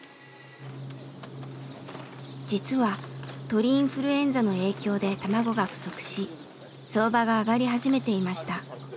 実は鳥インフルエンザの影響で卵が不足し相場が上がり始めていました。